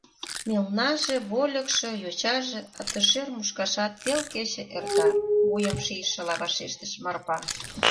Мелнаже, вольыкшо, йочаже, атышӧр мушкашат пел кече эрта, — вуйым шийшыла вашештыш Марпа.